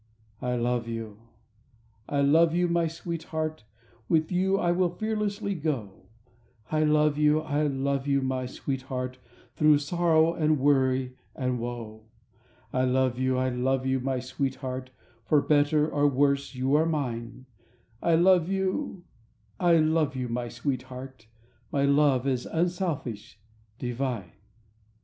I love you, I love you, my sweetheart, With you I will fearlessly go; I love you, I love you, my sweetheart Through sorrow and worry and woe. [ 63 ] SONGS AND DREAMS I love you, I love you, my sweetheart, For better or worse you are mine; I love you, I love you, my sweetheart, My love is unselfish, divine.